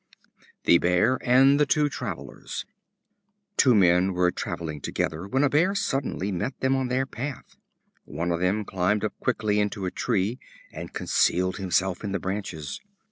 The Bear and the Two Travelers. Two men were traveling together, when a bear suddenly met them on their path. One of them climbed up quickly into a tree, and concealed himself in the branches.